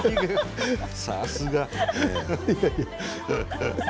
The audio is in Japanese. さすが。